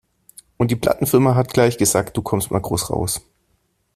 Und die Plattenfirma hat gleich gesagt, du kommst mal groß raus.